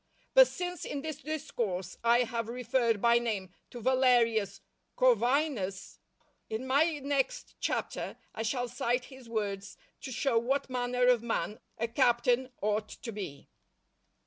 But since in this Discourse I have referred by name to Valerius Corvinus, in my next Chapter I shall cite his words to show what manner of man a captain ought to be.